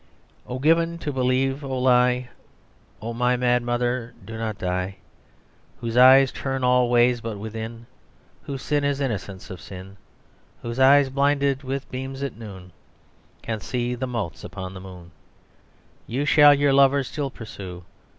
"(O given to believe a lie, O my mad mother, do do not die, Whose eyes turn all ways but within, Whose sin is innocence of sin, Whose eyes, blinded with beams at noon, Can see the motes upon the moon, You shall your lover still pursue.